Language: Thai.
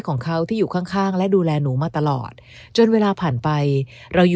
ของเขาที่อยู่ข้างและดูแลหนูมาตลอดจนเวลาผ่านไปเราอยู่